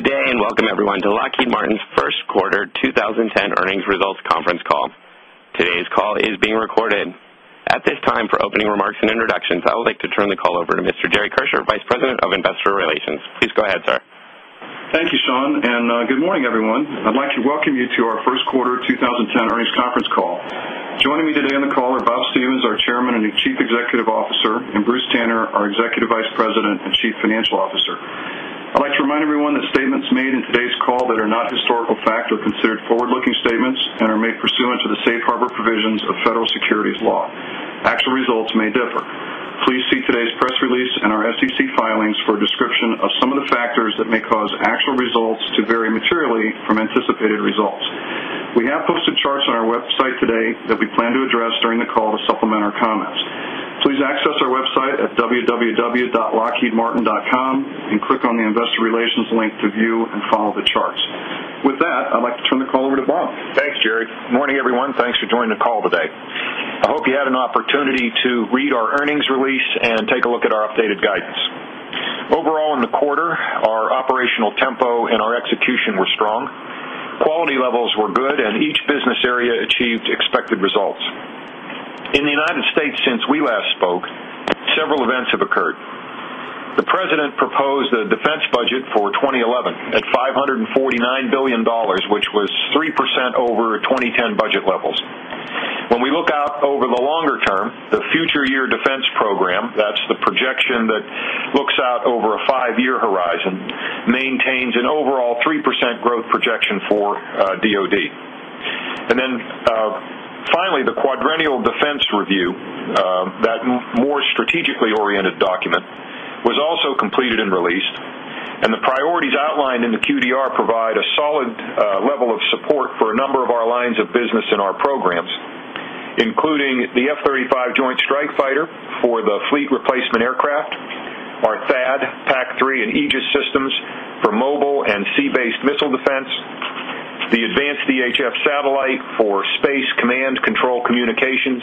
Good day, and welcome everyone to Lockheed Martin's First Quarter 20 10 Earnings Results Conference Call. Today's call is being recorded. At this time, for opening remarks and introductions, I would like to turn the call over to Mr. Jerry Kerscher, Vice President of Investor Relations. Please go ahead, sir. Thank you, Sean, and good morning, everyone. I'd like to welcome you to our Q1 2010 earnings conference call. Joining me today on the call are Bob Stephens, our Chairman and Chief Executive and Bruce Tanner, our Executive Vice President and Chief Financial Officer. I'd like to remind everyone that statements made in today's call that are not historical are considered forward looking statements and are made pursuant to the Safe Harbor provisions of federal securities law. Actual results may differ. Please see today's press release and our SEC filings for a description of some of the factors that may cause actual results to vary materially from anticipated results. We have posted charts on our website today that we plan to address during the call to supplement our comments. Please access our website at www.lockheedmartin. And click on the Investor Relations link to view and follow the charts. With that, I'd like to turn the call over to Bob. Thanks, Jerry. Good morning, everyone. Thanks for joining the call today. Our operational tempo and our execution were strong. Quality levels were good and each business area achieved expected results. In the United States since we last spoke, several events have occurred. The President proposed a defense budget for 2011 at $549,000,000,000 which was 3% over 2010 budget levels. When we look out over the longer term, The Future Year Defense Program, that's the projection that looks out over a 5 year horizon, maintains an overall 3% growth projection for at DoD. And then finally, the Quadrennial Defense Review, that more strategically oriented document and was also completed and released and the priorities outlined in the QDR provide a solid level of support for a number of our lines of business and our programs, Including the F-thirty five Joint Strike Fighter for the fleet replacement aircraft, our THAAD, PAC-three and Aegis systems for mobile and sea based missile defense, the advanced DHF satellite for space command control communications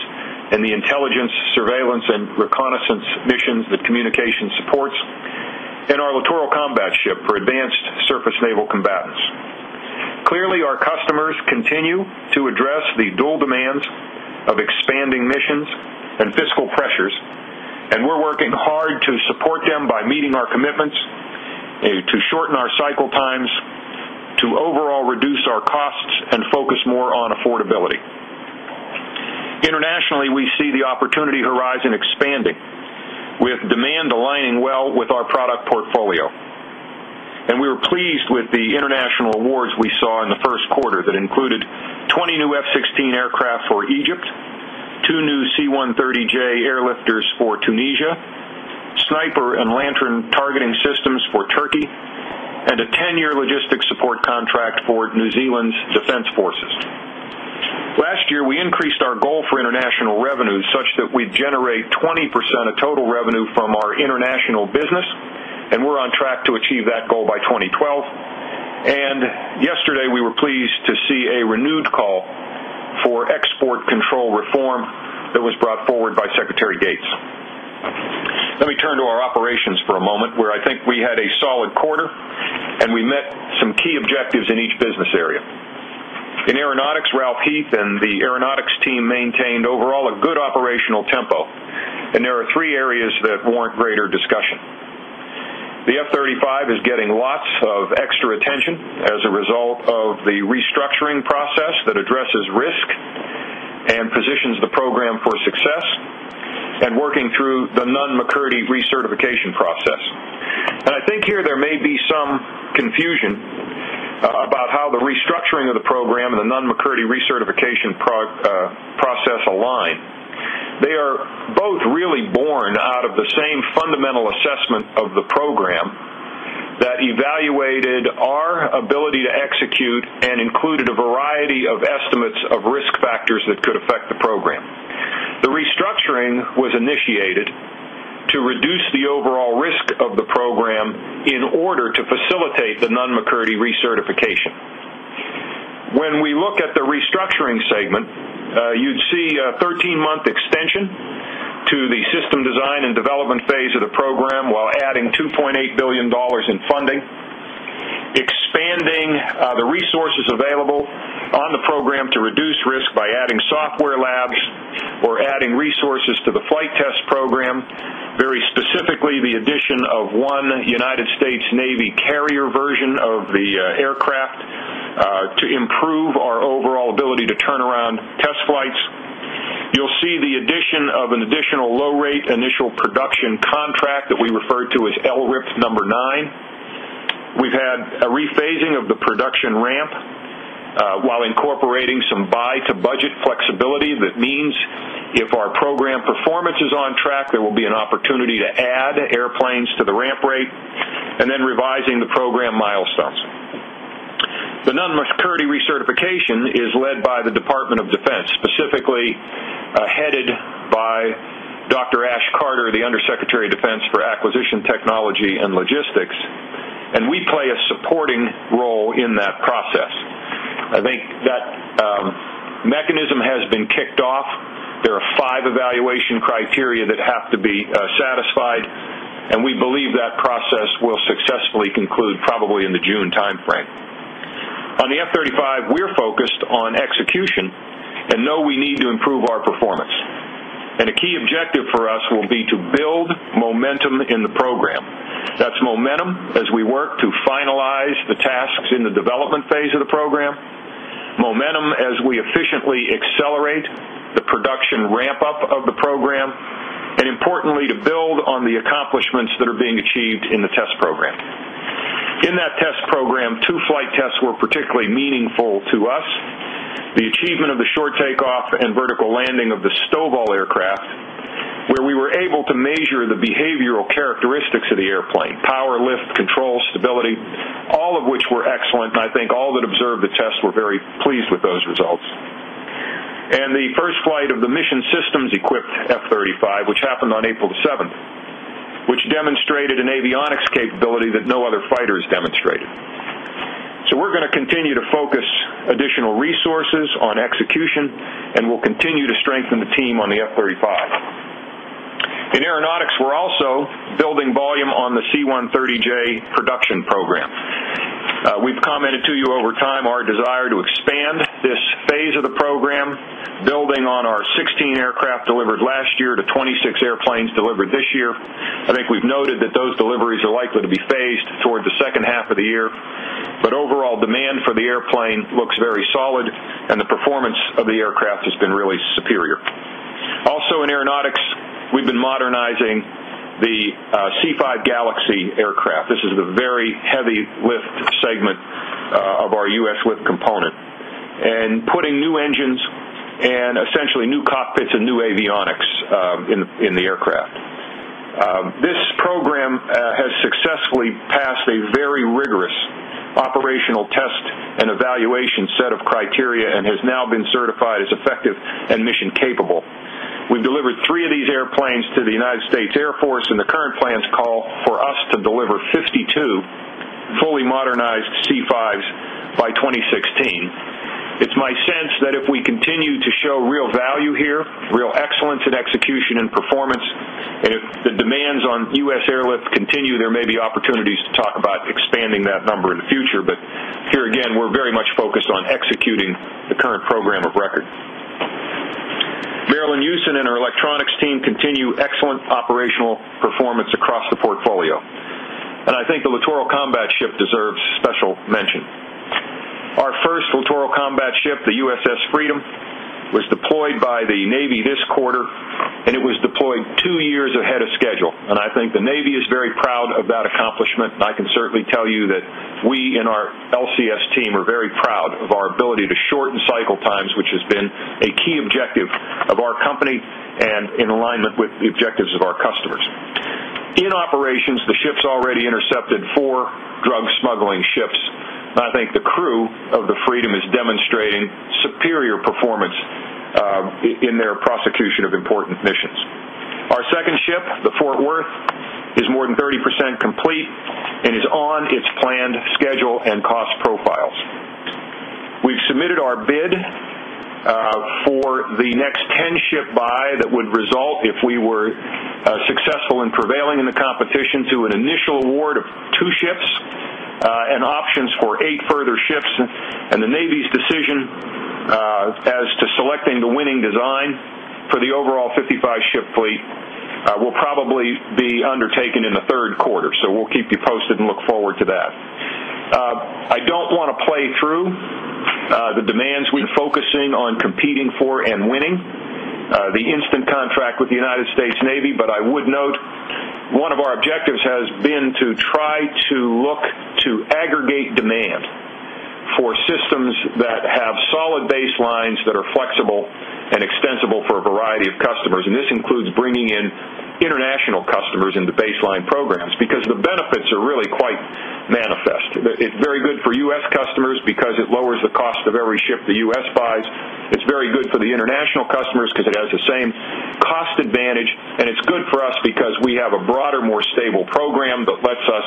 and the intelligence, surveillance and reconnaissance missions that communication supports and our Littoral Combat Ship for advanced surface naval combatants. Clearly, our customers continue to address the dual demands of expanding missions and fiscal pressures, and we're working hard to support them by meeting our commitments to shorten our cycle times, to overall reduce our and focused more on affordability. Internationally, we see the opportunity horizon expanding with demand aligning well with our product portfolio. And we were pleased with the international awards we saw in the Q1 that included 20 new F-sixteen aircraft for Egypt, 2 new C-130J airlifters for Tunisia, Sniper and lantern targeting systems for Turkey and a 10 year logistics support contract for New Zealand's Defense Forces. Last year, we increased our goal for international revenues such that we generate 20% of total revenue from our international business and we're on track to achieve that goal by 2012. And yesterday, we were pleased to see a renewed call for export control reform and was brought forward by Secretary Gates. Let me turn to our operations for a moment where I think we had a solid quarter and we met some key objectives in each business area. In Aeronautics, Ralph Heath and the Aeronautics team maintained overall a good operational tempo and there are 3 areas that warrant greater discussion. The F-thirty 5 is getting lots of extra attention as a result of the restructuring process that addresses risk and positions the program for success and working through the Nunn McCurdy recertification process. And I think here there may be some confusion About how the restructuring of the program and the non McCurdy recertification process align. And included a variety of estimates of risk factors that could affect the program. The restructuring was initiated to reduce the overall risk of the program in order to facilitate the non McCurdy recertification. When we look at the Restructuring segment, you'd see a 13 month extension to the system design and phase of the program while adding $2,800,000,000 in funding, expanding the resources available United States Navy carrier version of the aircraft to improve our overall ability to turnaround test flights. You'll see the addition of an additional low rate initial production contract that we refer to as LRIP 9. We've had a re phasing of the production ramp, while incorporating some buy to budget flexibility that means If our program performance is on track, there will be an opportunity to add airplanes to the ramp rate and then revising the program milestones. The non risk security recertification is led by the Department of Defense, specifically headed by Doctor. Ash Carter, the Under Secretary of Defense for Acquisition Technology and Logistics, and we play a supporting role in that process. I think that Mechanism has been kicked off. There are 5 evaluation criteria that have to be satisfied and we believe that Process will successfully conclude probably in the June timeframe. On the F-thirty 5, we are focused on execution And know we need to improve our performance. And a key objective for us will be to build momentum in the program. That's momentum as we work To finalize the tasks in the development phase of the program, momentum as we efficiently accelerate the production ramp up of the program, and importantly to build on the accomplishments that are being achieved in the test program. In that test program, 2 flight tests were particularly meaningful to us. The achievement of the short takeoff and vertical landing of the Stovall aircraft, where we were able to measure the behavioral characteristics of the airplane, Power lift, control, stability, all of which were excellent and I think all that observed the test were very pleased with those results. And the first flight of the mission systems equipped F-thirty 5, which happened on April 7, which demonstrated an avionics capability that no other fighters So we're going to continue to focus additional resources on execution and we'll continue to strengthen the team on the F-thirty 5. In Aeronautics, we're also building volume on the C-one hundred and thirty J production program. We've commented to you over time our desire to And this phase of the program building on our 16 aircraft delivered last year to 26 airplanes delivered this year. I think we've noted that those deliveries are likely to be phased toward the second half of the year, but overall demand for the airplane looks very solid and the performance of the aircraft has been really superior. Also in aeronautics, we've been modernizing the C5 Galaxy Craft, this is the very heavy lift segment of our U. S. Lift component and putting new engines and essentially new cockpits and new avionics in the aircraft. This program has successfully passed a very rigorous Operational test and evaluation set of criteria and has now been certified as effective and mission capable. We've delivered 3 of these airplanes to the United States Air Force in the current plans call for us to deliver 52 fully modernized C-5s by 2016. It's my sense that if we continue to show real value here, real excellence in execution and performance And if the demands on U. S. Airlift continue, there may be opportunities to talk about expanding that number in the future. But here again, we're very much focused on executing the current program of record. Marilyn Houston and our electronics team continue excellent operational performance across the portfolio, And I think the Littoral Combat Ship deserves special mention. Our first Littoral Combat Ship, the USS Freedom, was deployed by the Navy this quarter and it was deployed 2 years ahead of schedule. And I think the Navy is very proud of that accomplishment and I can certainly tell you that We and our LCS team are very proud of our ability to shorten cycle times, which has been a key objective of our company and in alignment with the objectives of our customers. In operations, the ships already intercepted 4 drug smuggling ships. I think the crew of the Freedom is demonstrating superior performance in their prosecution of important missions. Our second ship, the Fort Worth, is more than 30% complete and is on its planned schedule and cost profiles. We've submitted our bid for the next 10 ship buy that would result if we were Successful in prevailing in the competition to an initial award of 2 ships and options for 8 further ships And the Navy's decision as to selecting the winning design for the overall 55 ship fleet will probably be undertaken in the Q3. So we'll keep you posted and look forward to that. I don't want to play through the demands we're focusing on competing for and winning the instant contract with the United States Navy, but I would note one of our objectives has been to try Try to look to aggregate demand for systems that have solid baselines that are flexible and extensible for a variety of customers and this includes bringing in international customers in the baseline programs because It's really quite manifest. It's very good for U. S. Customers because it lowers the cost of every ship the U. S. Buys. It's very good for the international customers because it has the same Cost advantage and it's good for us because we have a broader more stable program that lets us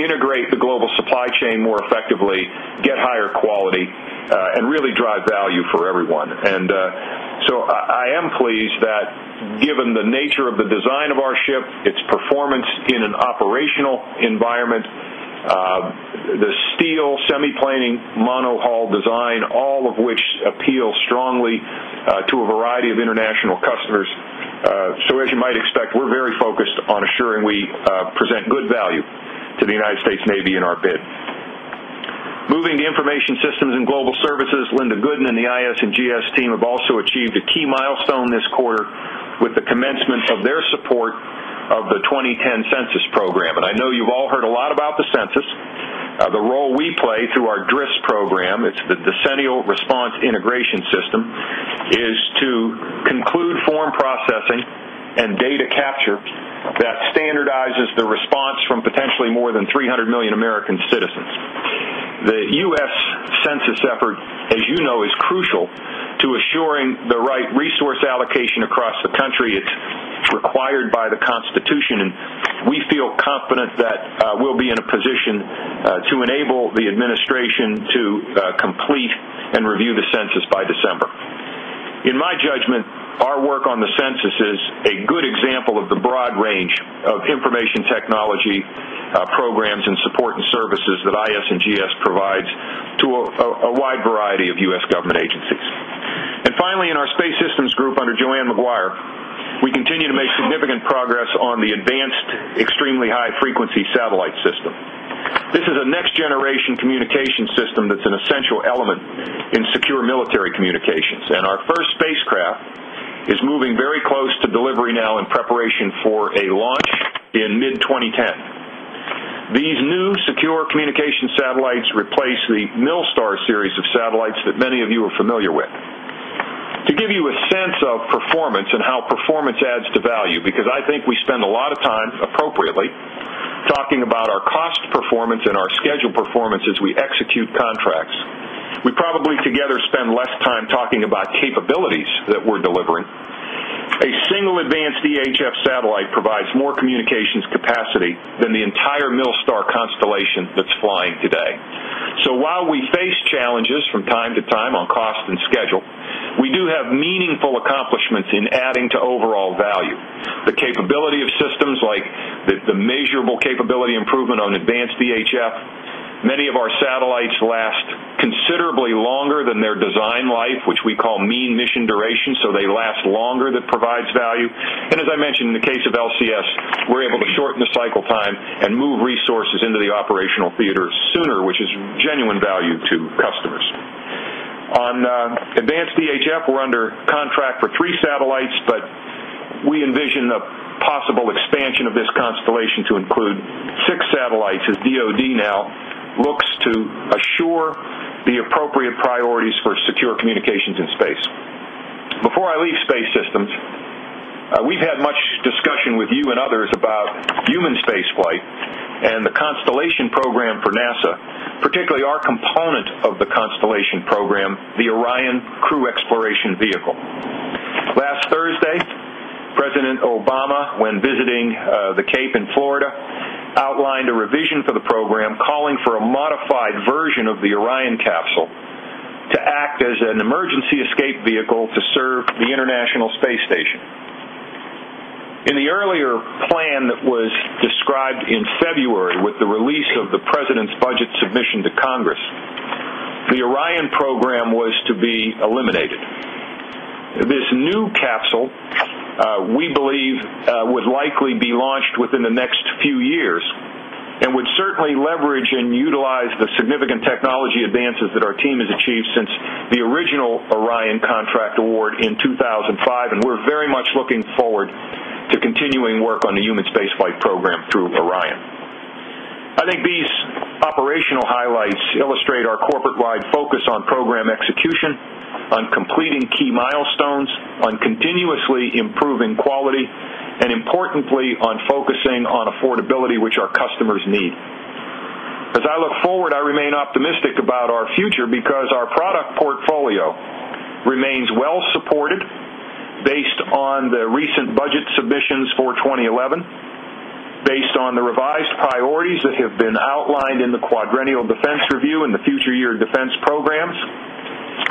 integrate the global supply chain more effectively, get higher quality and really drive value for everyone. And so I am pleased that given the nature of the design of our ship, Its performance in an operational environment, the steel semi planning monohull design, all of which appeal strongly to a variety of international customers. So as you might expect, we're very focused on assuring we present good value to the United States Navy in our bid. Moving to Information Systems and Global Services, Linda Goodin and the IS and GS team have also achieved a key milestone this quarter with the commencement of their support of the 2010 Census program. And I know you've all heard a lot about the Census, the role we play through Our DRIS program, it's the Decennial Response Integration System, is to conclude form processing and data capture That standardizes the response from potentially more than 300,000,000 American citizens. The U. S. Census effort, as you know, is crucial to assuring the right resource allocation across the country. It's required by the Constitution, and We feel confident that we'll be in a position to enable the administration to complete and review the census by December. In my judgment, our work on the census is a good example of the broad range of information technology Programs and support and services that IS and GS provides to a wide variety of U. S. Government agencies. And finally, in our Space Systems Group under Joanne Maguire. We continue to make significant progress on the advanced extremely high frequency satellite system. This is a next generation communication system that's an essential element in secure military communications and our first spacecraft It's moving very close to delivery now in preparation for a launch in mid-twenty 10. These new secure communication satellites The Milstar series of satellites that many of you are familiar with. To give you a sense of performance and how performance adds to value because I think we spend a lot of I'm talking about capabilities that we're delivering. A single advanced DHF satellite provides more communications capacity and the entire Millstar constellation that's flying today. So while we face challenges from time to time on cost and schedule, We do have meaningful accomplishments in adding to overall value. The capability of systems like the measurable capability improvement on advanced DHF, Many of our satellites last considerably longer than their design life, which we call mean mission duration, so they last longer that provides value. And as I mentioned in the case of LCS, we're able to shorten the cycle time and move resources into the operational theater sooner, which is of genuine value to customers. On Advanced DHF, we're under contract for 3 satellites, but we envision a possible Expansion of this constellation to include 6 satellites as DoD now looks to assure the appropriate priorities for secure communications in space. Before I leave Space Systems, we've had much discussion with you and others about human spaceflight And the constellation program for NASA, particularly our component of the constellation program, the Orion Crew Exploration Vehicle. Last Thursday, President Obama, when visiting the Cape in Florida, outlined a revision for the program calling for a modified version of the Orion capsule To act as an emergency escape vehicle to serve the International Space Station. In the earlier Plan that was described in February with the release of the President's budget submission to Congress. The Orion program was to be eliminated. This new capsule, we believe, would likely be launched within the next few years And we'd certainly leverage and utilize the significant technology advances that our team has achieved since the original Orion contract I think these operational highlights illustrate our corporate wide focus on program execution, on continuously improving quality and importantly on focusing on affordability, which our customers need. As I look forward, I remain optimistic about our future because our product portfolio remains well supported based on the recent budget submissions for 2011, based on the revised priorities that have been outlined in the Quadrennial Defense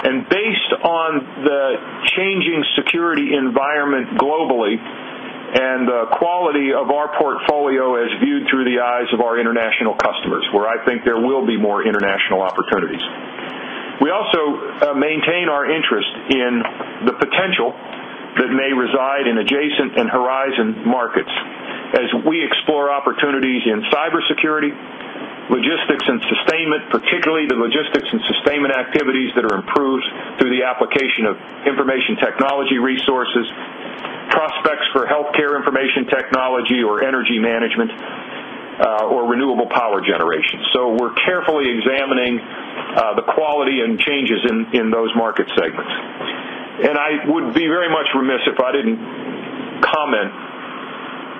And based on the changing security environment globally and quality of our portfolio is viewed through the eyes of our international customers where I think there will be more international opportunities. We also maintain our interest in the potential that may reside in adjacent and horizon markets As we explore opportunities in cybersecurity, logistics and sustainment, particularly the logistics and sustainment activities that are improved through the application of information technology resources, prospects for healthcare information technology or energy management for Renewable Power Generation. So we're carefully examining the quality and changes in those market segments. And I would be very much remiss if I didn't comment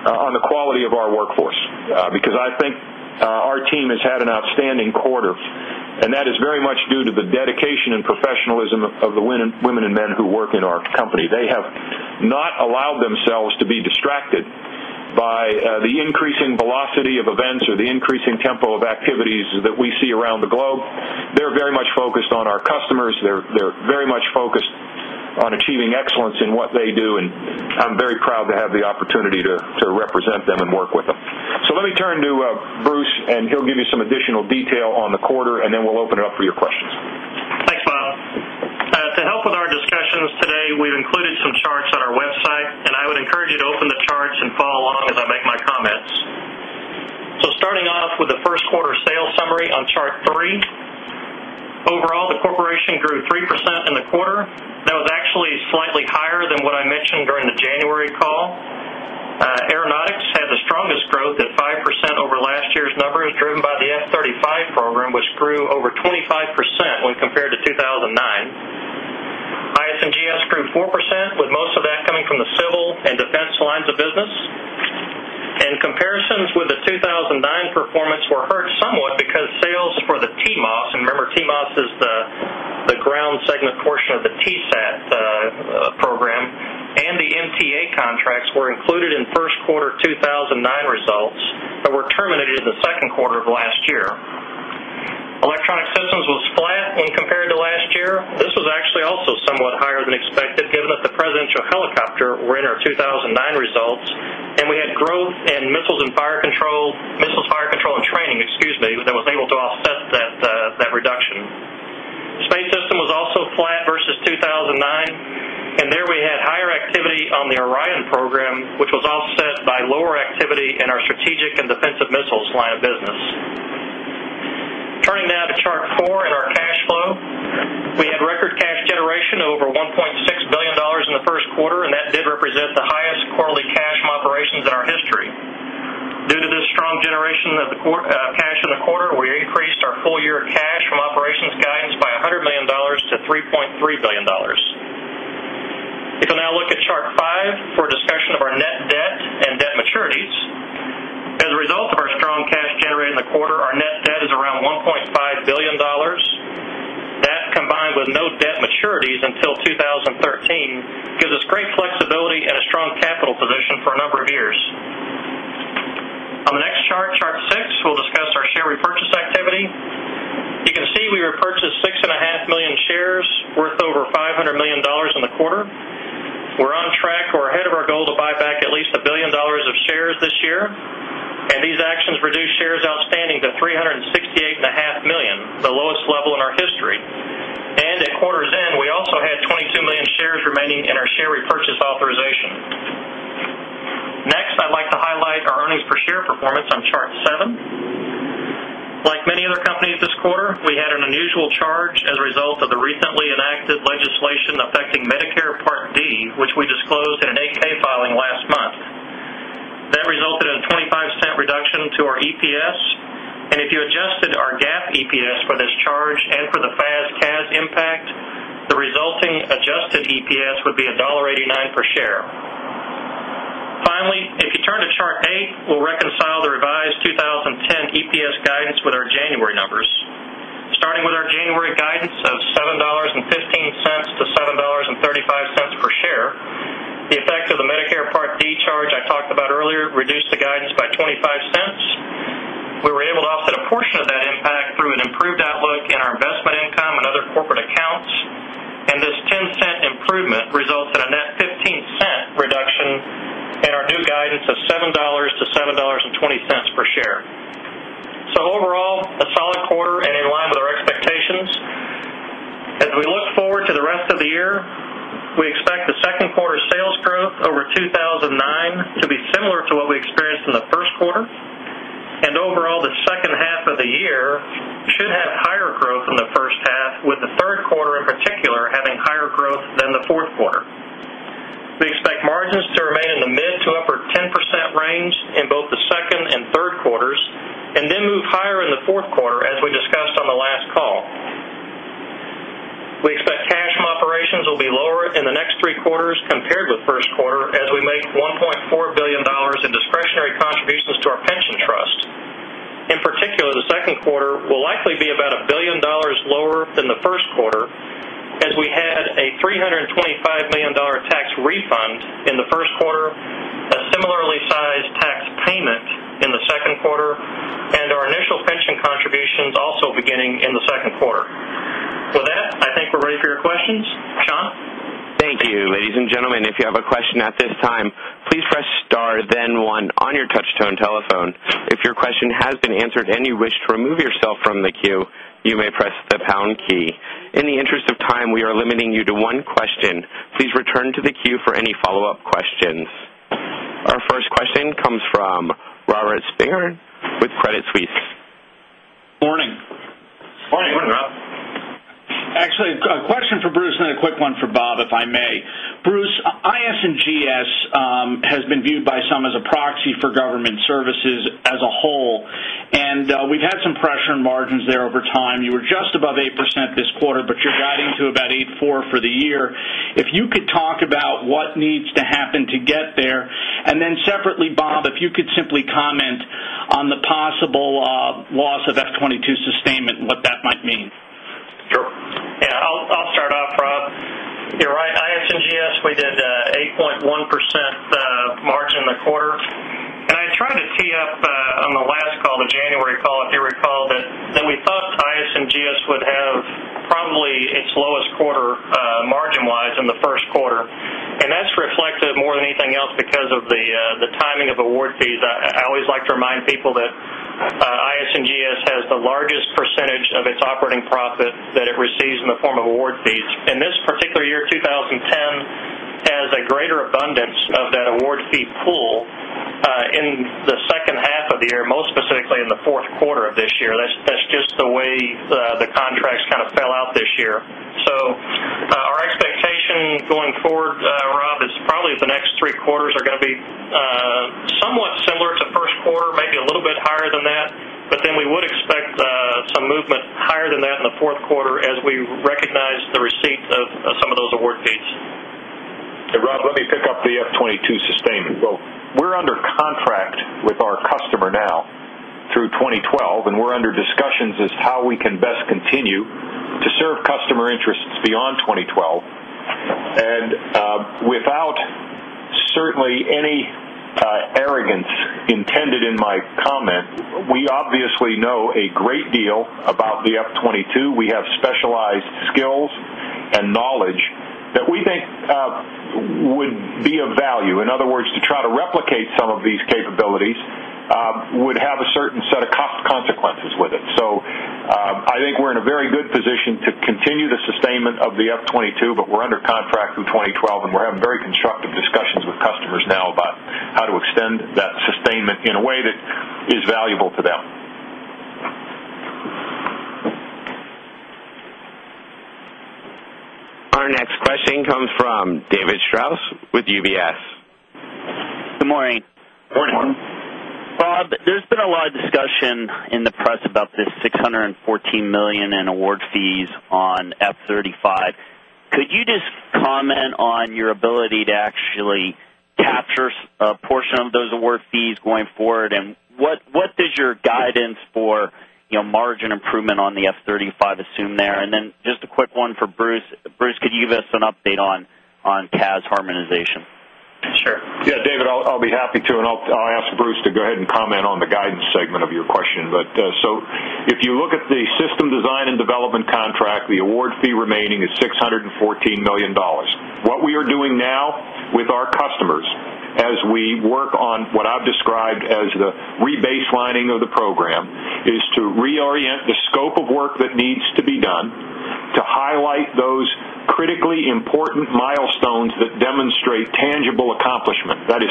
on the quality of our workforce, because I think Our team has had an outstanding quarter and that is very much due to the dedication and professionalism of the women and men who work in our company. They have Not allowed themselves to be distracted by the increasing velocity of events or the increasing tempo of activities that we see around the globe. They're very much focused on our customers. They're very much focused on achieving excellence in what they do, and I'm very proud to have the opportunity to represent them and work with So, let me turn to Bruce and he'll give you some additional detail on the quarter and then we'll open it up for your questions. Thanks, Mylan. To help with our discussions today, we've included some charts on our website, and I would encourage you to open the charts and follow along as I make my comments. So starting off with the Q1 sales summary on Chart 3. Overall, the corporation grew 3% in the quarter. That was actually slightly higher than what I mentioned during the January call. Aeronautics had the strongest growth at 5% over last year's number is driven by the F-thirty five program, which grew over 25% when compared to 2,009. IS NGS grew 4% with most of that coming from the civil and defense lines of business. And comparisons with the 2,009 performance were hurt somewhat because Sales for the TMOS and remember TMOS is the ground segment portion of the TSAT program and the MTA contracts were included in Q1 2019 results that were terminated in the Q2 of last year. Electronic Systems was flat when compared to last year. This was actually also somewhat higher than expected given that the Presidential helicopter were in our 2,009 results And we had growth in Missiles and Fire Control Missiles Fire Control and Training, excuse me, that was able to offset that reduction. Space System was also flat versus in 2019 and there we had higher activity on the Orion program, which was offset by lower activity in our strategic and defensive missiles line of business. Turning now to Chart 4 and our cash flow. We had record cash generation over $1,600,000,000 in the Q1 and that did represent the highest Quarterly cash from operations in our history. Due to the strong generation of cash in the quarter, we increased our full year cash from operations guidance by $100,000,000 to $3,300,000,000 If you now look at Chart 5 for a discussion of our net debt and debt maturities. As a result of our strong cash generated in the quarter, our net debt is around $1,500,000,000 That combined with no debt maturities until 20 team gives us great flexibility and a strong capital position for a number of years. On the next chart, Chart 6, we'll discuss our share repurchase activity. You can see we repurchased 6,500,000 shares worth over $500,000,000 in the quarter. We're on track or ahead of our goal to buy back at Leased $1,000,000,000 of shares this year and these actions reduced shares outstanding to 368,500,000, the lowest level in our history. And at quarter's end, we also had 22,000,000 shares remaining in our share repurchase authorization. Next, I'd like to highlight our earnings per share performance on Chart 7, like many other companies this quarter, we had an unusual charge as a result of the recently enacted legislation affecting Medicare Part D, which we disclosed in an 8 ks filing last month. That resulted in a $0.25 reduction to our EPS. And if you adjusted our GAAP EPS for this And for the FAS CAS impact, the resulting adjusted EPS would be $1.89 per share. Finally, if you turn to Chart 8, we will reconcile the revised 2010 EPS guidance with our January numbers. Starting with our January guidance of $7.15 to $7.35 per share, the effect of the Medicare Part D charge I talked about earlier reduced the guidance by $0.25 We were able to offset a portion of that impact through an improved outlook in our investment income and other corporate accounts And this $0.10 improvement results in a net $0.15 reduction in our new guidance of $7 to $7.20 per share. So overall, a solid quarter and in line with our expectations. As we look forward to the rest of the year, We expect the 2nd quarter sales growth over 2,009 to be similar to what we experienced in the Q1 and overall the second For the full year, we should have higher growth in the first half with the Q3 in particular having higher growth than the Q4. We expect margins to remain in the mid to upper 10% range in both the second and third quarters and then move higher in the 4th quarter as we discussed on the last call. We expect cash from operations will be lower in the next three quarters compared with 1st quarter as we make $1,400,000,000 in discretionary Contributions to our pension trust, in particular the second quarter will likely be about $1,000,000,000 lower than the first quarter As we had a $325,000,000 tax refund in the Q1, a similarly sized tax payment in the Q2 and our initial pension contribution is also beginning in the Q2. With that, I think we're ready for your questions. Our first question comes from Robert Spingarn with Credit Suisse. Excellent. A question for Bruce and then a quick one for Bob, if I may. Bruce, IS and GS has been viewed by some as a proxy for government services as a whole and we've had some pressure on margins there over time. You were just above 8% this quarter, but you're guiding to about 8.4% for the year. If you could talk about what needs to happen to get there? And then separately, Bob, if you could simply comment on the possible Laws of F 'twenty two sustainment and what that might mean? Sure. Yes, I'll start off, Rob. You're right, IS and GS, we did 8.1% March and the quarter. And I tried to tee up on the last call, the January call, if you recall that we thought TiAs and GS would have probably its lowest quarter margin wise in the Q1 and that's reflected more than anything else because of the timing of award fees. I always like to remind people that IS and GS has the largest percentage of its operating profit that it receives in the form of award fees. In this particular year, 2010 As a greater abundance of that award fee pool in the second half of the year, most specifically in the Q4 of this year, that's just The way the contracts kind of fell out this year. So our expectation going forward, Rob, is probably the next three quarters are going to be Somewhat similar to Q1, maybe a little bit higher than that, but then we would expect some movement higher than that in the Q4 as we recognize the receipt Some of those are word dates. Rob, let me pick up the F-twenty two sustainable. We're under contract with our customer now through 2012 and we're under discussions as to how we can best continue to serve customer interests beyond 2012. And without certainly any arrogance intended in my comment, we obviously know a great deal about the F-twenty two. We have specialized skills and knowledge that we think would be of value. In other words, to try to replicate Some of these capabilities would have a certain set of consequences with it. So I think we're in a very good position to Continue the sustainment of the F-twenty 2, but we're under contract through 2012 and we're having very constructive discussions with customers now about how to extend that sustainment in a way that and is valuable to them. Our next question comes from David Strauss with UBS. Good morning. Good morning. Bob, there's been a lot of discussion in the press about this $614,000,000 in award fees on F-thirty five. Could you just comment on your ability to actually capture a portion of those award fees going forward? And What does your guidance for margin improvement on the F-thirty five assume there? And then just a quick one for Bruce. Bruce, could you give us an update on CAS harmonization. Yes, David, I'll be happy to and I'll ask Bruce to go ahead and comment on the guidance segment of your question. But so If you look at the system design and development contract, the award fee remaining is $614,000,000 What we are doing now with our customers as we work on what I've described as the rebaselining of the program is to reorient the scope of work that needs To be done, to highlight those critically important milestones that demonstrate tangible accomplishment, that is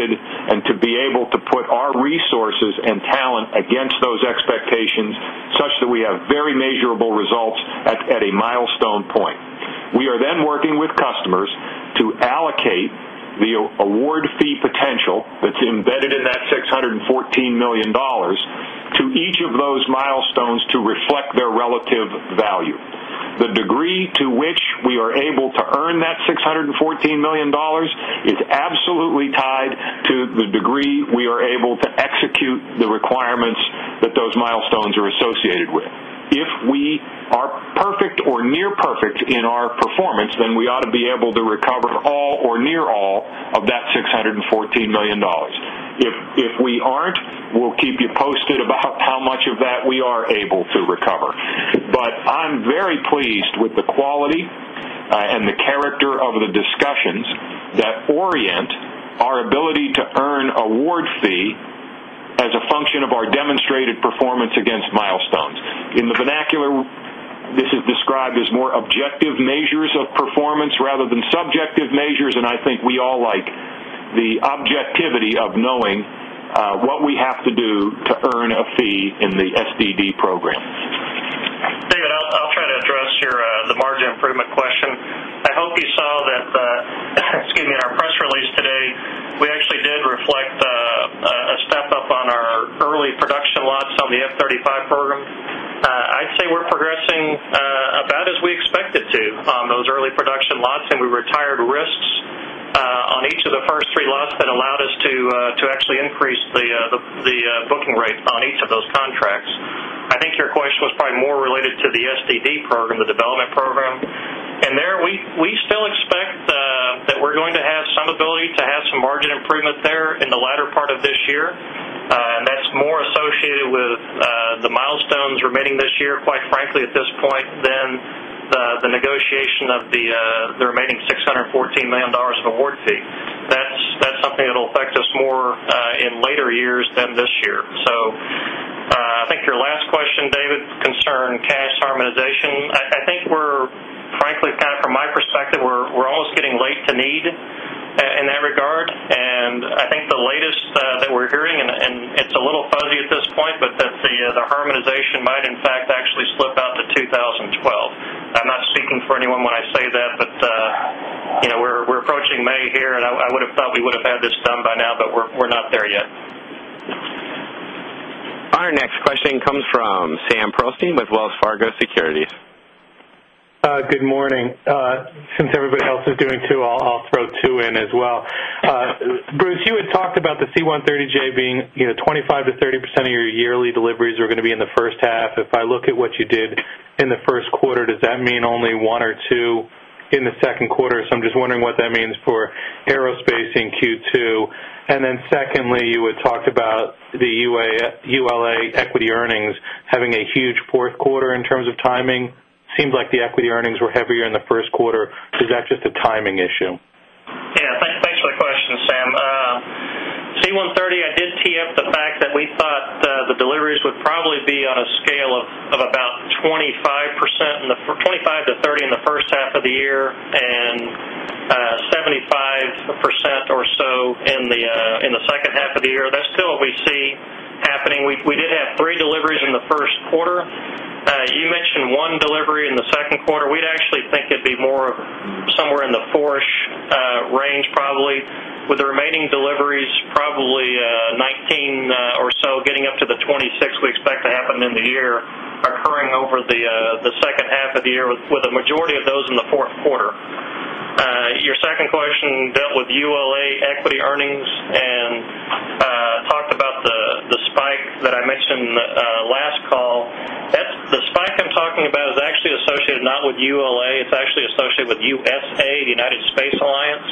and to be able to put our resources and talent against those expectations such that we have very measurable results at a milestone point. We are then working with customers to allocate the award fee potential that's embedded in that $614,000,000 to each of those milestones to reflect their relative value. The degree to which we are able to earn that $614,000,000 It's absolutely tied to the degree we are able to execute the requirements that those milestones are associated with. If we are perfect or near perfect in our performance, then we ought to be able to recover all or near all Of that $614,000,000 if we aren't, we'll keep you posted about how much of that we are able to recover. But I'm very pleased with the quality and the character of the discussions that orient our ability to earn award fee as a function of our demonstrated performance against milestones. In the vernacular, this is described as more Objective measures of performance rather than subjective measures, and I think we all like the objectivity of knowing What we have to do to earn a fee in the SDD program? David, I'll try to address your the margin improvement question. I hope you saw that excuse me, in our press release today, we actually did reflect a step up on our early production Lots on the F-thirty five program. I'd say we're progressing about as we expected to on those early production lots and we retired risks On each of the first three lots that allowed us to actually increase the booking rates on each of those contracts, I I think your question was probably more related to the SDD program, the development program. And there we still expect that we're going to have some ability to have some margin in the latter part of this year and that's more associated with the milestones remaining this year quite frankly at this point than The negotiation of the remaining $614,000,000 of award fee, that's something that will affect us more in later years than this year. So I think your last question, David, concerned cash harmonization, I think we're frankly kind of from my perspective, we're almost getting late to need In that regard, and I think the latest that we're hearing and it's a little fuzzy at this point, but that the harmonization might in fact Actually slip out to 2012. I'm not speaking for anyone when I say that, but we're approaching May here and I would have thought we would have had this done by now, but we're There you go. Our next question comes from Sam Pearlstein with Wells Fargo Securities. Good morning. Since everybody else is doing 2, I'll throw 2 in as well. Bruce, you had talked about the C-one hundred and thirty J being 25% to 30% of your yearly deliveries are going to be in the first half. If I look at what you did in the Q1, does that mean only 1 or 2 In the Q2, so I'm just wondering what that means for Aerospace in Q2? And then secondly, you had talked about the ULA equity earnings Having a huge Q4 in terms of timing, seems like the equity earnings were heavier in the Q1. Is that just a timing issue? Yes. Thanks for the question, Sam. C-one hundred and thirty, I did tee up the fact that we thought the deliveries would probably be on a scale of about 25% to 30% in the first half of the year and 75% or So in the second half of the year, that's still what we see happening. We did have 3 deliveries in the Q1. You mentioned one delivery in the 2nd quarter. We'd actually think it'd be more somewhere in the 4 ish range probably with the remaining deliveries Probably 19 or so getting up to the 26 we expect to happen in the year occurring over the second half of the year with a majority of those in the 4th Your second question dealt with ULA Equity Earnings and talked about the spike that I mentioned last The spike I'm talking about is actually associated not with ULA, it's actually associated with USA, the United Space Alliance.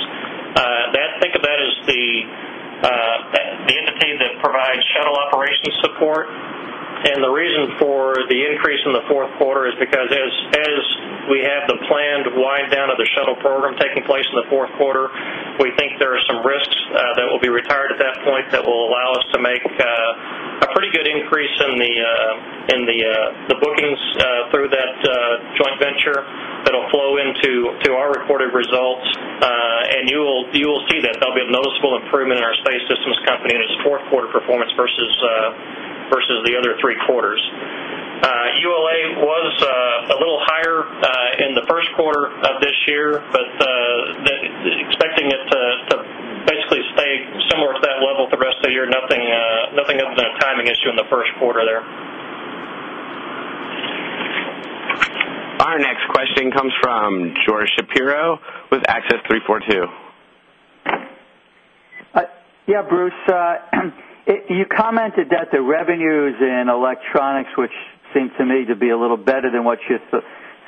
That think of that as The entity that provides shuttle operations support and the reason for the increase in the 4th quarter is because as We have the planned wind down of the shuttle program taking place in the Q4. We think there are some risks that will be retired at that point that will allow us to make A pretty good increase in the bookings through that joint venture that will flow into our reported results and you will see that there will be a noticeable improvement in our space systems company in its 4th quarter performance versus the other 3 quarters. ULA was a little higher in the Q1 of this year, but expecting it to Basically, stay similar to that level for the rest of the year, nothing else than a timing issue in the Q1 there. Our next question comes from George Shapiro with Axis 342. Yes, Bruce, you commented that the revenues in Electronics, which seem to me to be a little better than what you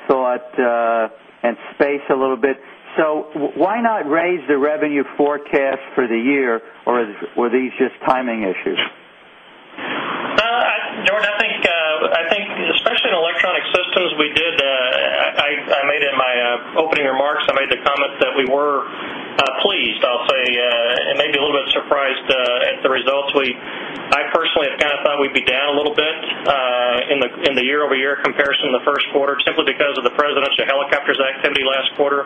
So, I thought and space a little bit. So, why not raise the revenue forecast for the year or were these just timing issues? Jordan, I think especially in Electronic Systems, we did I made in my opening remarks, I made the comment that we were Pleased, I'll say, and maybe a little bit surprised at the results. I personally have kind of thought we'd be down a little bit in the year over year comparison in the Q1 simply because of the Presidential Helicopters activity last quarter.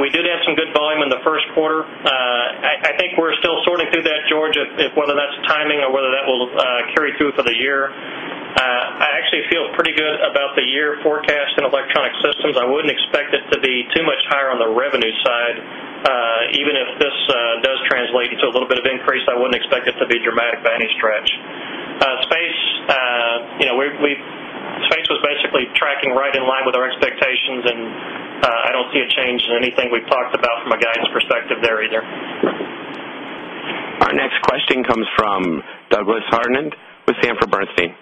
We did have some good volume in the Q1. I I think we're still sorting through that, George, whether that's timing or whether that will carry through for the year. I actually feel pretty good about The year forecast in Electronic Systems, I wouldn't expect it to be too much higher on the revenue side. Even if this does translate into a little bit of increase, I wouldn't expect it to be dramatic by any stretch. Space, we Space was basically tracking right in line with our expectations and I don't see a change in anything we've talked about from a guidance perspective there either. Our next question comes from Douglas Hardin with Sanford Bernstein.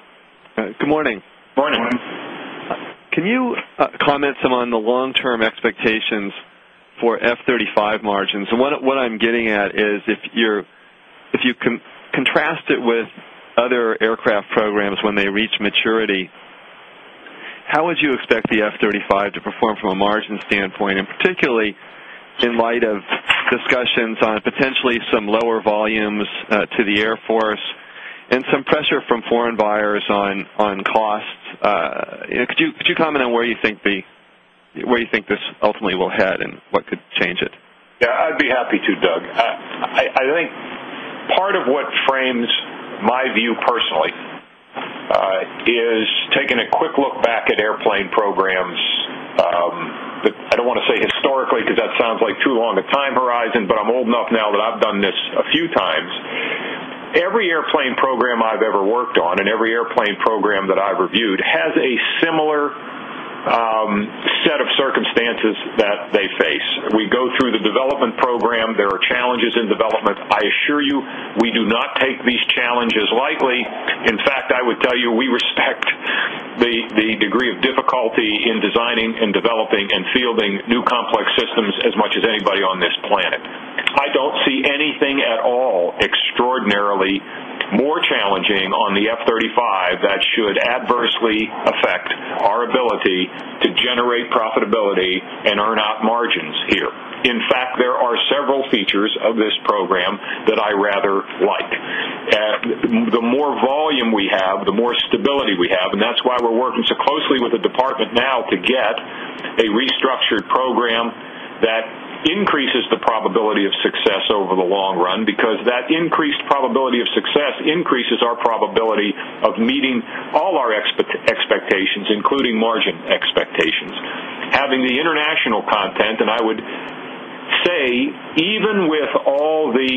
Good morning. Good morning. Can you comment some on the long term expectations for F-thirty Five margins. So what I'm getting at is if you're if you can contrast it with other aircraft programs when they reach maturity, How would you expect the F-thirty 5 to perform from a margin standpoint and particularly in light of discussions on potentially some lower volumes to the Air Force and some pressure from foreign buyers on costs. Could you comment on where you think the Where do you think this ultimately will head and what could change it? Yes, I'd be happy to, Doug. I think part of what frames my view personally Is taking a quick look back at airplane programs, but I don't want to say Because that sounds like too long a time horizon, but I'm old enough now that I've done this a few times. Every airplane program I've ever worked on and every airplane program that Reviewed has a similar set of circumstances that they face. We go through the development program. There are challenges in development. I assure you, we do not take these challenges lightly. In fact, I would tell you, we respect the degree of in designing and developing and fielding new complex systems as much as anybody on this planet. I don't see anything at all extraordinarily More challenging on the F-thirty five that should adversely affect our ability to generate profitability and earn out margins here. In fact, there are several features of this program that I rather like. The more volume we have, the more stability we have and that's why we're working so closely with the department now to get a restructured program that increases the probability of over the long run because that increased probability of success increases our probability of meeting all our expectations, including margin Expectations. Having the international content and I would say even with all the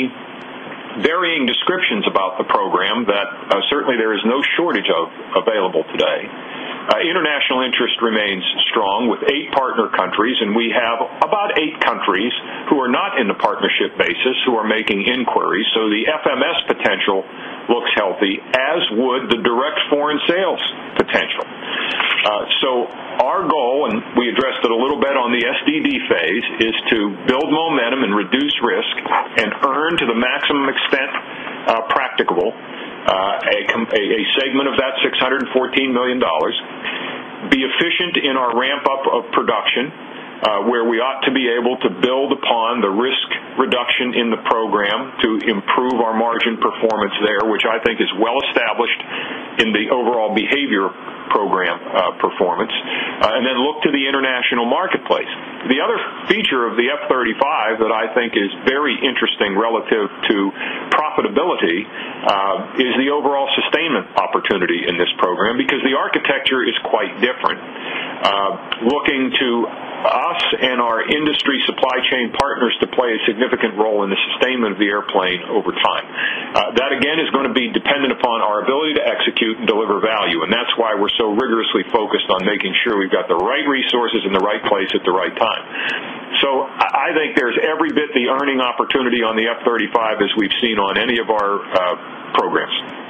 Varying descriptions about the program that certainly there is no shortage of available today. International interest remains Strong with 8 partner countries and we have about 8 countries who are not in the partnership basis who are making inquiries. So the FMS potential looks healthy as would the direct foreign sales potential. So our goal and we addressed it a little bit on the SDD A segment of that $614,000,000 be efficient in our ramp up of production, where we ought to be able to build upon the risk Reduction in the program to improve our margin performance there, which I think is well established in the overall behavior program And then look to the international marketplace. The other feature of the F-thirty five that I think is very interesting relative to Profitability is the overall sustainment opportunity in this program because the architecture is quite different. Looking to So I think there's every bit the earning opportunity on the F-thirty 5 as we've seen on any of our programs.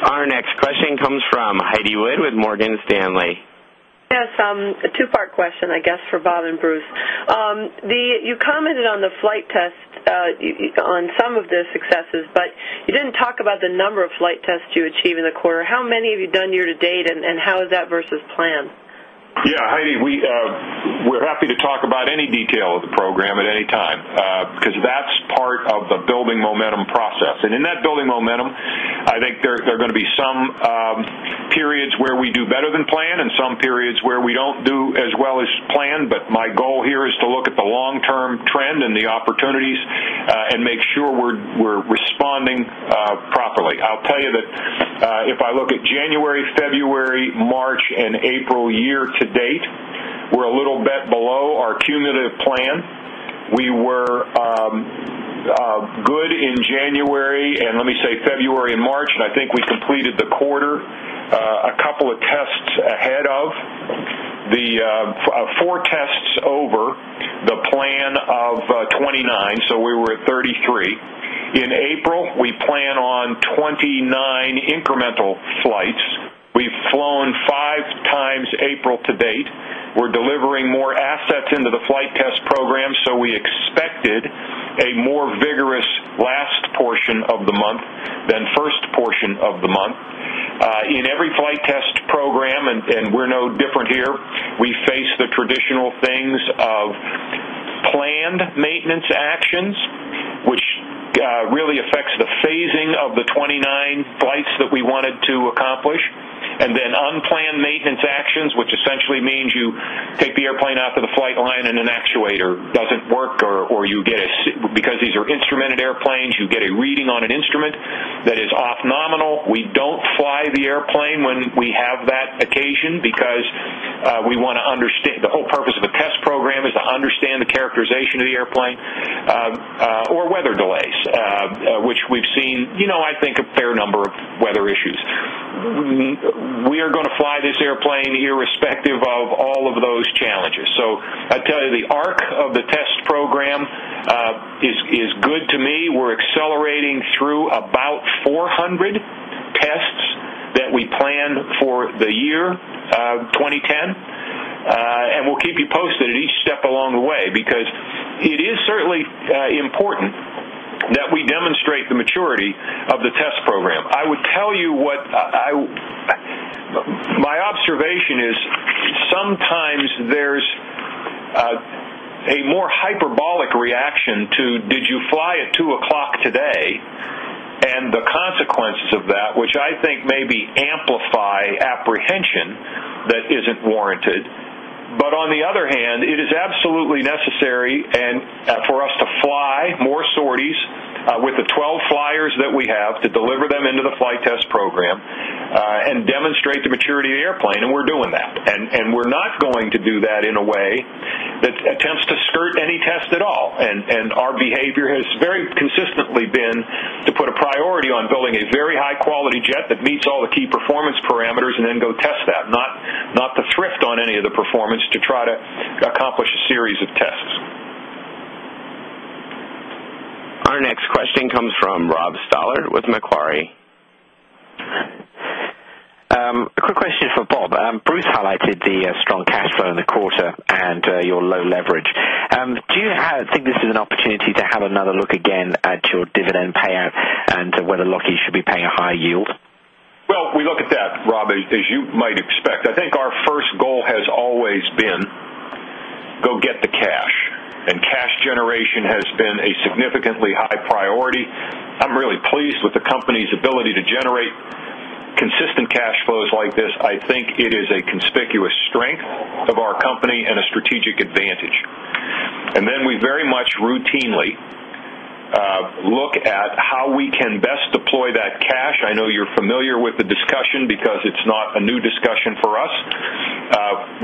Our next question comes from Heidi Wood with Morgan Stanley. Yes. A 2 part question, I guess, for Bob and Bruce. You commented on the flight test on some of the successes, but You didn't talk about the number of flight tests you achieved in the quarter. How many have you done year to date and how is that versus planned? Yes. Heidi, We're happy to talk about any detail of the program at any time because that's part of the building momentum process. And in that building momentum, I think there are going to be some periods where we do better than planned and some periods where we don't do as well as planned, but my Goal here is to look at the long term trend and the opportunities and make sure we're responding properly. I'll tell you that If I look at January, February, March April year to date, we're a little bit below our cumulative plan. We were Good in January and let me say February March and I think we completed the quarter a couple of tests ahead of The 4 tests over the plan of 29, so we were at 33. April to date, we're delivering more assets into the flight test program, so we expected a more vigorous last In every flight test program and we're no different here, we face the traditional Things of planned maintenance actions, which really affects the phasing of the 29 flights that we wanted To accomplish and then unplanned maintenance actions, which essentially means you take the airplane out to the flight line and an actuator doesn't work or you get a because these are instrumented airplanes, you get a reading on an instrument that is off nominal. We don't fly the airplane when we have that occasion because We want to understand the whole purpose of the test program is to understand the characterization of the airplane or weather delays, which we've seen, I think, a Fair number of weather issues. We are going to fly this airplane irrespective of all of those challenges. So I'd tell you the arc of the test program is good to me. We're accelerating through about 400 Pests that we planned for the year of 2010, and we'll keep you posted at each step along the way because It is certainly important that we demonstrate the maturity of the test program. I would tell you what Action to did you fly at 2 o'clock today and the consequences of that, which I think maybe amplify apprehension that isn't warranted. But on the other hand, it is absolutely necessary and for us to fly more sorties with the 12 flyers that we have to deliver them into the flight test program and demonstrate the maturity of the airplane and we're doing and we're not going to do that in a way that attempts to skirt any test at all. And our behavior has very consistently been to put a priority on building a very high quality jet that meets all the key performance parameters and then go test that, not to thrift on any of the performance to try to Our next question comes from Rob Stallard with Macquarie. A quick question for Bob. Bruce highlighted the strong cash flow in the quarter and your low leverage. Do you think this is an opportunity to have another look again at Your dividend payout and whether Lockheed should be paying a high yield? Well, we look at that, Rob, as you might expect. I think our first goal has always been Go get the cash and cash generation has been a significantly high priority. I'm really pleased with the company's ability to generate Consistent cash flows like this, I think it is a conspicuous strength of our company and a strategic advantage. And then we very much routinely look at how we can best deploy that cash. I know you're familiar with the discussion because it's not a new Discussion for us,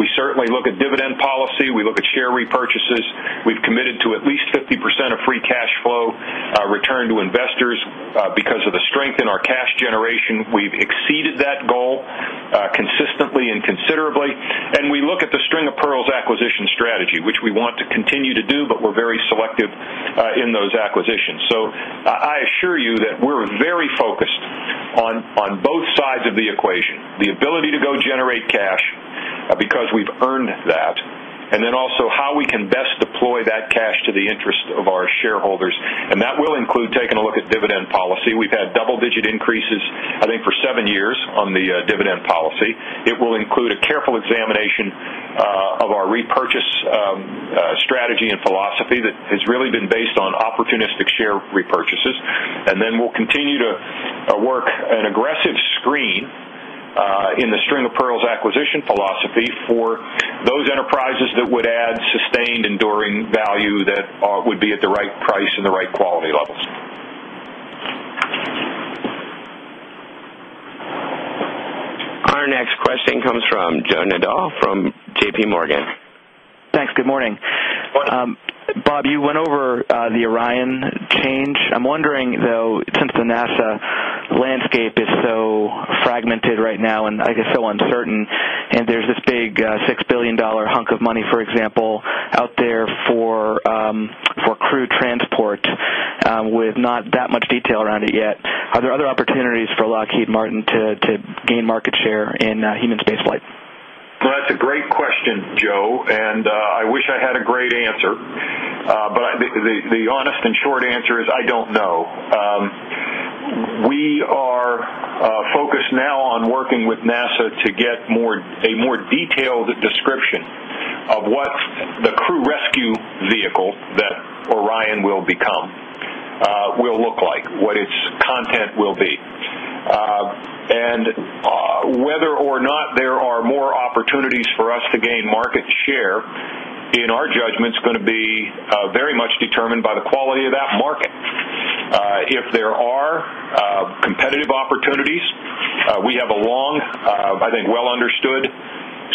we certainly look at dividend policy, we look at share repurchases, we've committed to at least 50% of free cash flow return to investors Because of the strength in our cash generation, we've exceeded that goal consistently and considerably. And we look at the string of pearls acquisition strategy, which we want The ability to go generate cash because we've earned that and then also how we can best deploy that cash to the interest of our shareholders and that will include taking a look at dividend policy. We've had double digit increases, I think for 7 years on the dividend policy. It will include a careful examination of our repurchase strategy and philosophy that has really been based on opportunistic share And then we'll continue to work an aggressive screen in the string of pearls acquisition philosophy for Those enterprises that would add sustained enduring value that would be at the right price and the right quality levels. Our next question comes from Joe Nadeau from JPMorgan. Thanks. Good morning. Bob, you went over the Orion change. I'm wondering though since the NASA landscape is so fragmented right now and I guess so uncertain And there's this big $6,000,000,000 hunk of money, for example, out there for crew transport With not that much detail around it yet, are there other opportunities for Lockheed Martin to gain market share in human spaceflight? That's a great question, Joe, and I wish I had a great answer. But the honest and short answer is I don't know. We are focused now on working with NASA to get more a more detailed description of what the crew rescue vehicle that Orion will become will look like, what its content will be. And whether or not there are more opportunities for us to gain market share And our judgment is going to be very much determined by the quality of that market. If there are competitive opportunities, We have a long, I think, well understood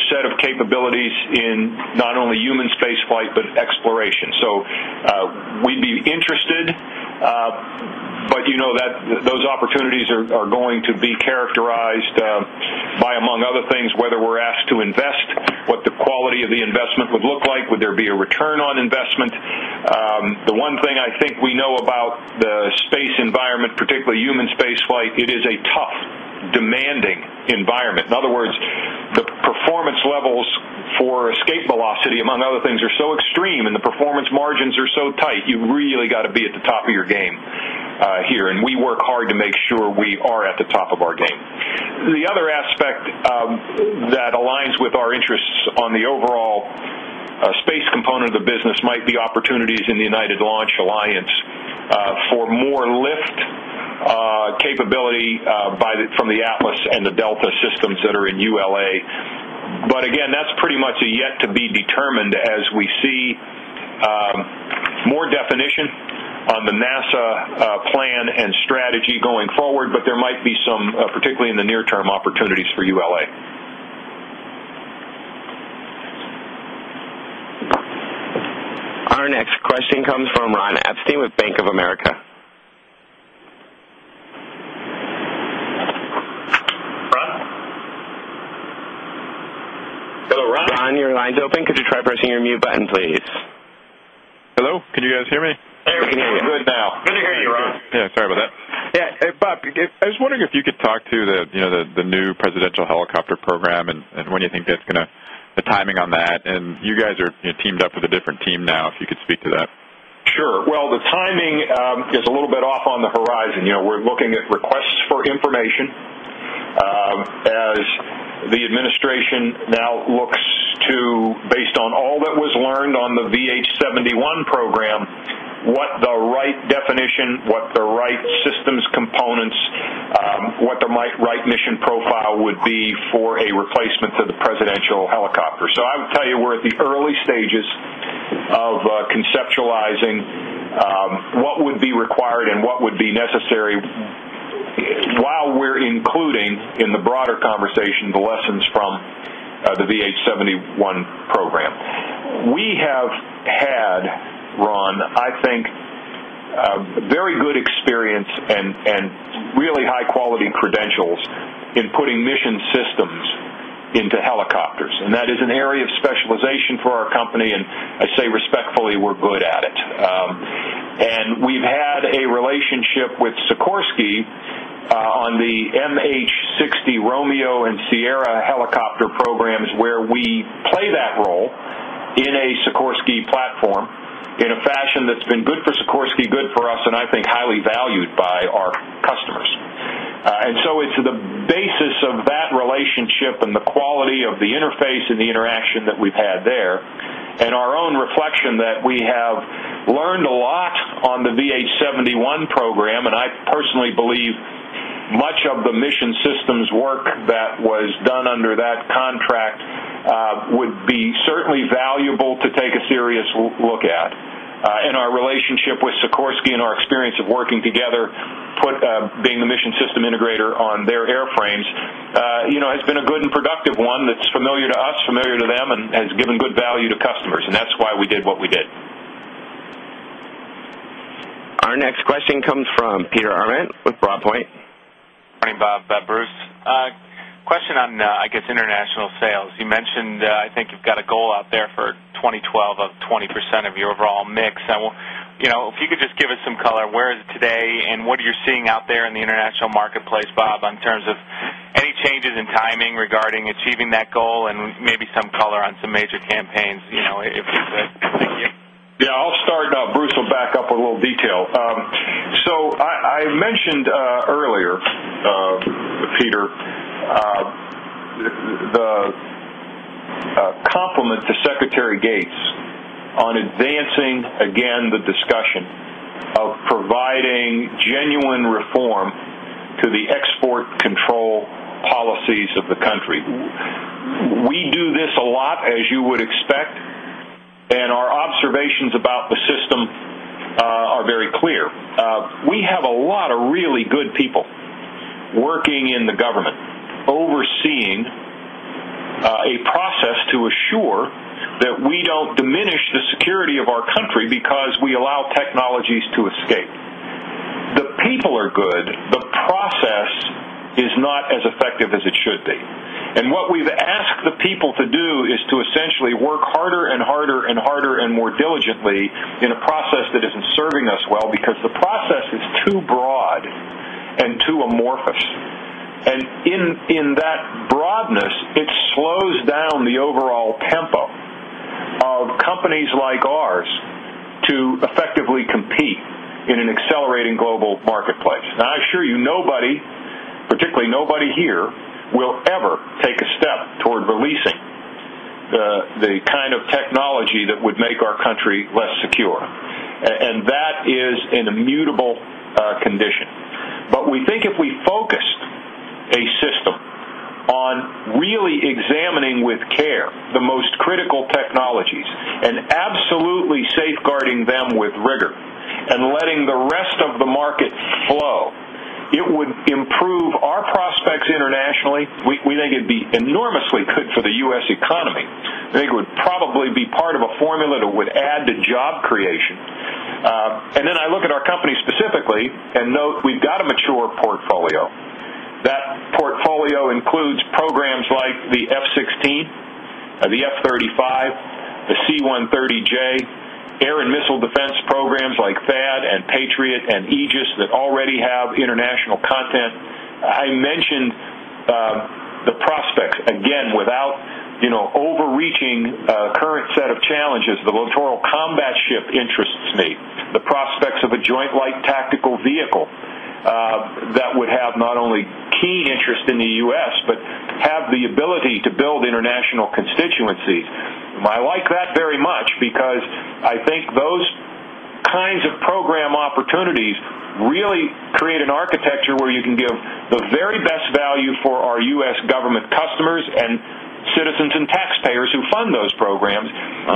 set of capabilities in not only human spaceflight, but exploration. So We'd be interested, but you know that those opportunities are going to be characterized By among other things, whether we're asked to invest, what the quality of the investment would look like, would there be a return on investment. The one thing I think we know about The space environment, particularly human spaceflight, it is a tough demanding environment. In other words, the performance levels For Escape Velocity, among other things, are so extreme and the performance margins are so tight, you've really got to be at the top of your game here and we work hard to make sure we are at the top of our game. The other aspect that aligns with our interests on the overall From the Atlas and the Delta systems that are in ULA. But again, that's pretty much yet to be determined as we see More definition on the NASA plan and strategy going forward, but there might be some, particularly in the near term opportunities for ULA. Our next question comes from Ron Epstein with Bank of America. Yes. Bob, I was wondering if you could talk to the new presidential helicopter program and when you think that's going to the timing on that and you guys are Teamed up with a different team now, if you could speak to that. Sure. Well, the timing is a little bit off on the horizon. We're looking at requests for information As the administration now looks to based on all that was learned on the VH71 program, What the right definition, what the right systems components, what the right mission profile would be for a Replacement to the presidential helicopter. So I would tell you we're at the early stages of conceptualizing What would be required and what would be necessary, while we're including in the broader conversation the lessons from The VH71 program. We have had, Ron, I think very good experience and Really high quality credentials in putting mission systems into helicopters and that is an area of specialization for our company and I say respectfully, we're good at it. And we've had a relationship with Sikorsky on the 60 Romeo and Sierra Helicopter Programs where we play that role in a Sikorsky platform in a fashion that's been good for Sikorsky, good for us and I think highly valued by our customers. And so it's the basis of that relationship and the The quality of the interface and the interaction that we've had there and our own reflection that we have learned a lot would be certainly valuable to take a serious look at. And our relationship with Sikorsky and our experience of working together, Being the mission system integrator on their airframes has been a good and productive one that's familiar to us, familiar to them and has given good value to Our next question comes from Peter Arment with Broadpoint. Good morning, Bob, Bruce. Question on, I guess, international sales. You mentioned, I think, you've got a goal out there for 2012 of 20% of your overall mix. If you could just give us some color where is it today and what you're seeing out there in the international marketplace, Bob, in terms of any changes in timing Regarding achieving that goal and maybe some color on some major campaigns, if you could. Thank you. Yes. I'll start and Bruce will back up a little detail. So I mentioned earlier, Peter, the Compliment to Secretary Gates on advancing again the discussion of Providing genuine reform to the export control policies of the country. We do this a lot as you would And our observations about the system are very clear. We have a lot of really good people Working in the government, overseeing a process to assure that we don't diminish the security of our country because We allow technologies to escape. The people are good. The process is not as effective as it should be. And what we've asked the people to do is to essentially work harder and harder and harder and more diligently in a process that is Serving us well because the process is too broad and too amorphous. And in that broadness, It slows down the overall tempo of companies like ours to effectively compete in an accelerating global marketplace. And I assure you nobody, particularly nobody here will ever take a step toward releasing The kind of technology that would make our country less secure and that is an immutable condition. But we think if we focused Absolutely safeguarding them with rigor and letting the rest of the market flow, it would improve our Prospects internationally, we think it'd be enormously good for the U. S. Economy. I think it would probably be part of a formula that would add to job creation. And then I look at our company specifically and note we've got a mature portfolio. That portfolio includes programs like the F-sixteen, The F-thirty 5, the C-130J, air and missile defense programs like THAAD and Patriot and Aegis that already have international content. I mentioned the prospects again without overreaching current set of challenges, the Littoral Combat Ship The prospects of a joint light tactical vehicle that would have not only key interest in the U. S, But have the ability to build international constituencies. I like that very much because I think those Kinds of program opportunities really create an architecture where you can give the very best value for our U. S. Government customers and Citizens and taxpayers who fund those programs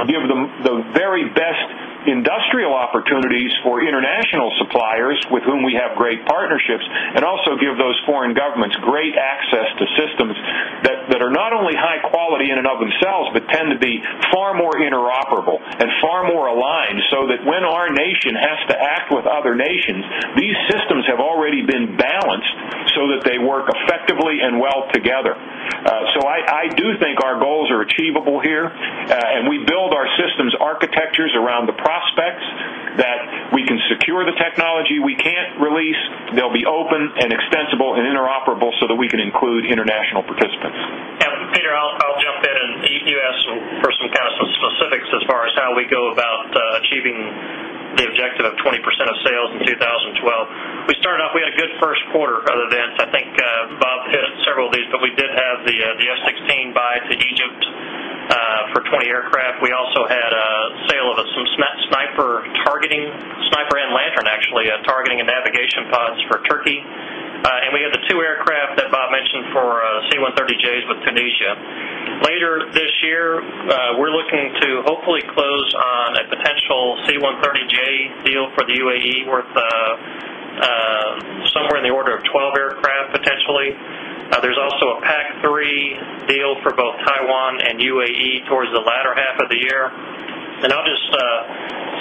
give them the very best industrial opportunities for international suppliers with whom we have great partnerships and also give those foreign governments great access to systems that are not only high quality in and of themselves, but tend to be far more interoperable and far more aligned so that when our nation has to act with other nations, these systems have already been balanced so that they work effectively and well together. So I do think our goals are achievable here and we build our systems architectures around the prospects that We can secure the technology we can't release. They will be open and extensible and interoperable so that we can include international participants. Yes. Peter, I'll jump Ben, you asked for some kind of specifics as far as how we go about achieving the objective of 20% of sales in 2012. We started off, we had a good first I think Bob hit several of these, but we did have the F-sixteen buy to Egypt for 20 aircraft. We also had a sale of some for targeting Sniper and Lantern actually targeting and navigation pods for Turkey. And we have the 2 aircraft that Bob mentioned for C-130Js with Tunisia. Later this year, we're looking to hopefully close on a potential C-one hundred and thirty J deal for the UAE worth somewhere in the order of 12 aircraft potentially. There's also a PAC-three deal for both Taiwan and UAE towards the latter half of the year. And I'll just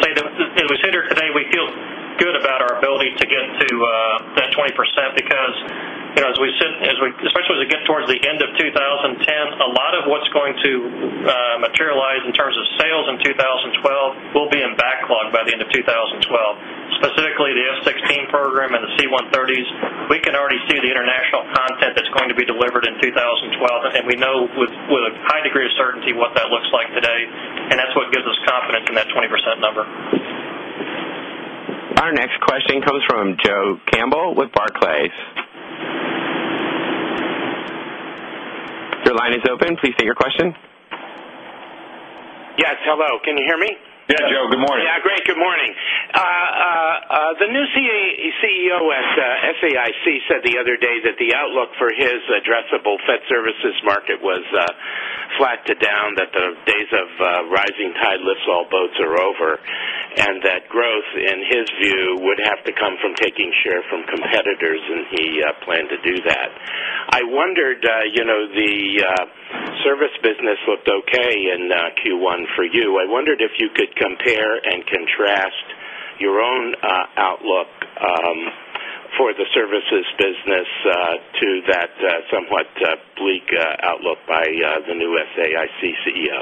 say that as we sit here today, we feel good about our ability to get to that 20%, because As we sit especially as we get towards the end of 2010, a lot of what's going to materialize in terms Sales in 2012 will be in backlog by the end of 2012, specifically the S-sixteen program and the C-130s, We can already see the international content that's going to be delivered in 2012 and we know with a high degree of certainty what that looks like today And that's what gives us confidence in that 20% number. Our next question comes from Joe Campbell with Barclays. Your line is open. Please state your question. Yes. Hello. Can you hear me? Yes, Joe. Good morning. Yes, great. Good morning. The new CEO at SAIC said the other day that the outlook for his addressable Fed Services This market was flat to down that the days of rising tide lifts all boats are over and that Growth in his view would have to come from taking share from competitors and he planned to do that. I wondered, the Service business looked okay in Q1 for you. I wondered if you could compare and contrast your own outlook for the Services business to that somewhat bleak outlook by the new SAIC See CEO.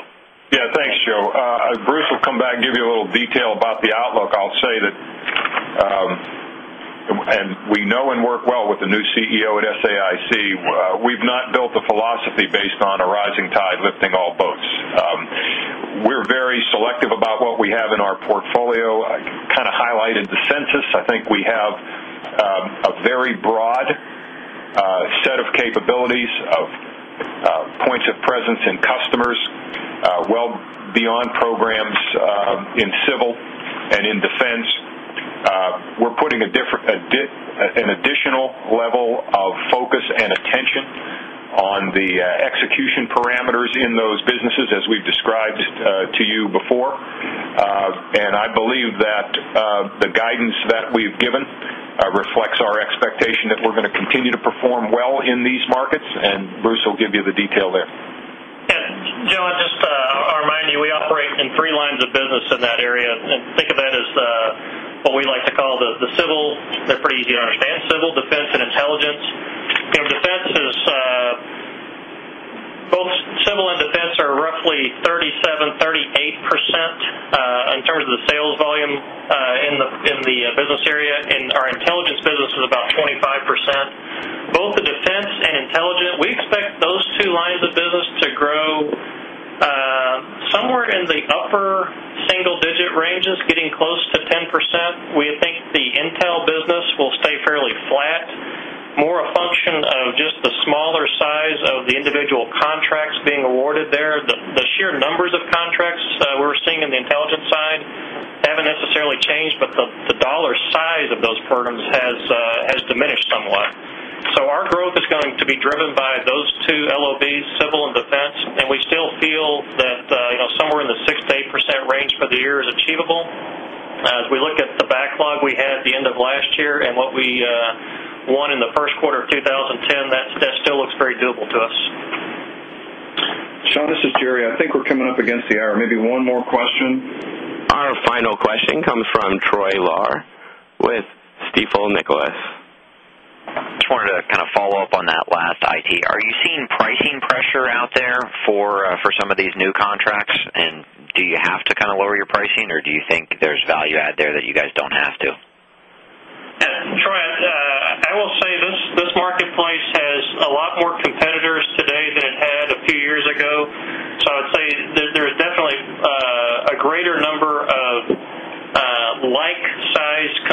Yes. Thanks, Joe. Bruce will come back and give you a little detail about the outlook. I'll say that And we know and work well with the new CEO at SAIC. We've not built a philosophy based on a rising tide lifting all boats. We're very selective about what we have in our portfolio. I kind of highlighted the census. I think we have a very broad A set of capabilities of points of presence in customers, well beyond programs in civil And in defense, we're putting an additional level of focus and attention on the execution parameters in those businesses as we've described to you before. And I believe that the guidance that We've given reflects our expectation that we're going to continue to perform well in these markets and Bruce will give you the detail there. And Joe, I just remind you, we operate in three lines of business in that area. Think of that as what we like to call the civil, They're pretty easy to understand, civil, defense and intelligence. Defense is both civil and defense are roughly 37%, 38 8% in terms of the sales volume in the business area and our intelligence business is about 25%. Both the defense and intelligence, we expect those two lines of business to grow somewhere in the upper Single digit range is getting close to 10%. We think the Intel business will stay fairly flat, more a function of Just the smaller size of the individual contracts being awarded there, the sheer numbers of contracts we're seeing in the intelligence side Haven't necessarily changed, but the dollar size of those programs has diminished somewhat. So our growth is going to be driven by those 2 LOBs, Civil and Defense, and we still feel that somewhere in the 6% to 8% range for the year is achievable. As we look at the backlog we had at the end of last And what we won in the Q1 of 2010, that still looks very doable to us. Sean, this is Jerry. I think we're coming up against the hour. Maybe one more question. Our final question comes from Troy Lahr with Stifel Nicholas. Just wanted to kind of follow-up on that last IT. Are you seeing pricing pressure out for some of these new contracts. And do you have to kind of lower your pricing or do you think there's value add there that you guys don't have to? Troy, I will say this marketplace has a lot more competitors today than it had a few years ago. So I'd say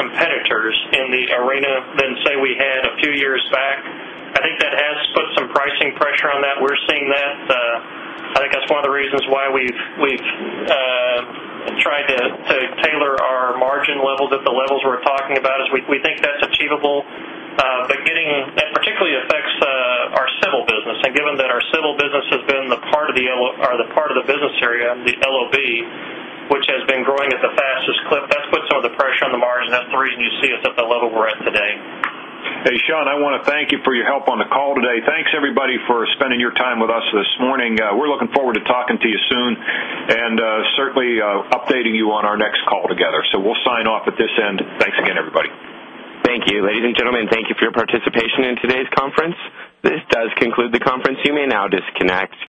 There is definitely a greater number of like size competitors in the arena than say we had a few years back. I think that has put some pricing pressure on that. We're seeing that. I think that's one of the reasons why we've I'm trying to tailor our margin levels at the levels we're talking about as we think that's achievable, but getting that particularly affects our Civil business and given that our Civil business has been the part of the business area, the LOB, which has been growing at the fastest clip, that's put some of the pressure on the margin. That's the reason you Hey, Sean, I want to thank you for your help on the call today. Thanks everybody for spending your time with us this morning. We're looking forward to talking to you soon And certainly updating you on our next call together. So we'll sign off at this end. Thanks again everybody. Thank you. Ladies and gentlemen, thank you for your participation in today's conference. This does conclude the conference. You may now disconnect.